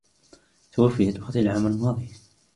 تُوفيت أختي العام الماضي.